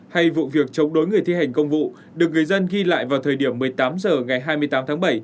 hay vụ việc chống đối người thi hành công vụ được người dân ghi lại vào thời điểm một mươi tám h ngày hai mươi tám tháng bảy